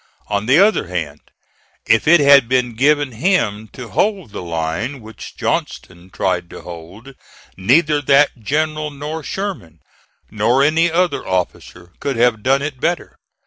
On the other hand, if it had been given him to hold the line which Johnston tried to hold, neither that general nor Sherman, nor any other officer could have done it better.